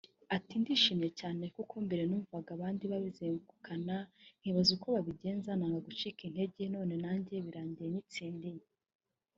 Ati “Ndishimye cyane kuko mbere numvaga abandi bazegukana nkibaza uko babigenza nanga gucika intege none nanjye birangiye nyitsindiye